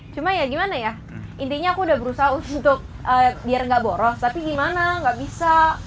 cuma ya gimana ya intinya aku udah berusaha untuk biar nggak boros tapi gimana gak bisa